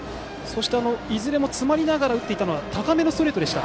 いずれも詰まりながら打っていったのは高めのストレートでした。